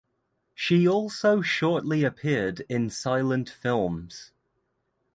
She also shortly appeared in silent films.